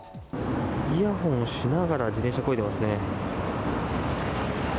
イヤホンをしながら自転車をこいでいますね。